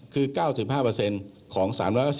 คือ๙๕ของ๓๙